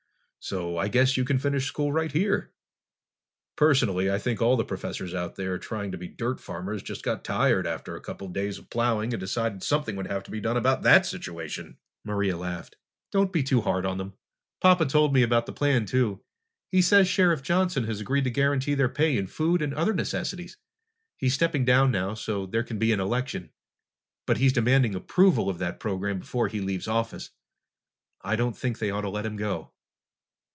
So I guess you can finish school right here. "Personally, I think all the professors out there trying to be dirt farmers just got tired after a couple of days of plowing and decided something would have to be done about that situation!" Maria laughed. "Don't be too hard on them. Papa told me about the plan, too. He says Sheriff Johnson has agreed to guarantee their pay in food and other necessities. He's stepping down now, so there can be an election, but he's demanding approval of that program before he leaves office. I don't think they ought to let him go."